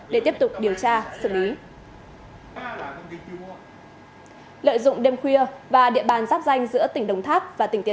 để tiếp tục điều tra xử lý